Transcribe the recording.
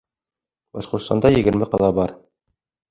Башҡортостанда егерме ҡала бар.